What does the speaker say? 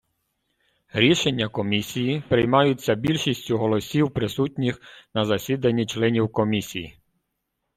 Рішення Комісії приймаються більшістю голосів присутніх на засіданні членів Комісії.